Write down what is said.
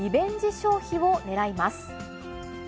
消費をねらいます。